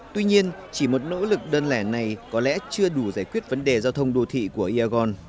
tuy nhiên chỉ một nỗ lực đơn lẻ này có lẽ chưa đủ giải quyết vấn đề giao thông đô thị của iagon